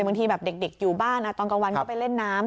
บางทีแบบเด็กอยู่บ้านตอนกลางวันก็ไปเล่นน้ำ